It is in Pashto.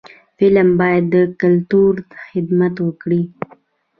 فلم باید د کلتور خدمت وکړي